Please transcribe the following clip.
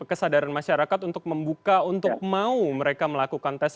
kesadaran masyarakat untuk membuka untuk mau mereka melakukan tes